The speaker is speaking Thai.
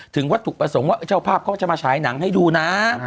ถึงวัตถุประสงค์ว่าเจ้าภาพเขาจะมาฉายหนังให้ดูนะ